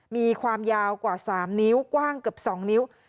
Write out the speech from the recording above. มีความยาวกว่า๓นิ้วกว้างเกือบ๒นิ้ว